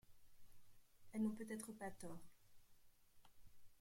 Elles n'ont peut-être pas tort.